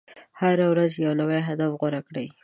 هره ورځ یو نوی هدف غوره کړئ.